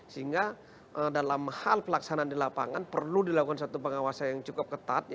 sehingga dalam hal pelaksanaan di lapangan perlu dilakukan satu pengawasan yang cukup ketat